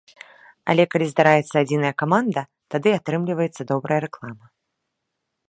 Але калі здараецца адзіная каманда, тады і атрымліваецца добрая рэклама.